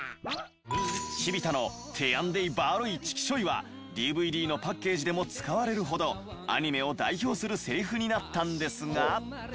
チビ太の「てやんでぃバーロイチキショイ」はＤＶＤのパッケージでも使われるほどアニメを代表するセリフになったんですが。